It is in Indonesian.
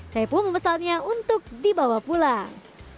saya pun memesannya untuk dibawa pulang